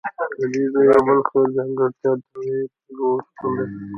ددې ځای یوه بله ښه ځانګړتیا د نادرو تیږو شتون دی.